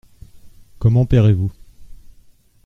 Comment payerez-vous ?